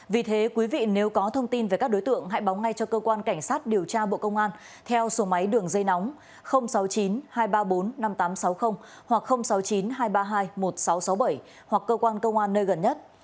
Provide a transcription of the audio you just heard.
vì thế quý vị nếu có thông tin về các đối tượng hãy báo ngay cho cơ quan cảnh sát điều tra bộ công an theo số máy đường dây nóng sáu mươi chín hai trăm ba mươi bốn năm nghìn tám trăm sáu mươi hoặc sáu mươi chín hai trăm ba mươi hai một nghìn sáu trăm sáu mươi bảy hoặc cơ quan công an nơi gần nhất